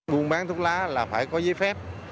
buôn bán thuốc lá là phải có giấy phép